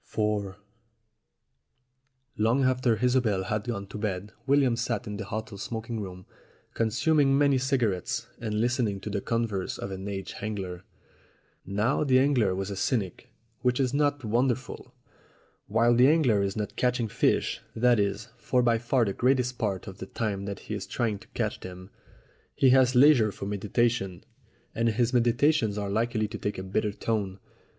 IV LONG after Isobel had gone to bed William sat in the hotel smoking room consuming many cigarettes and listening to the converse of an aged angler. Now the angler was a cynic, which is not wonderful. While the angler is not catching fish that is, for by far the greater part of the time that he is trying to catch them he has leisure for meditation, and his meditations are likely to take a bitter tone.